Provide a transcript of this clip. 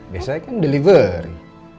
biasanya kan delivery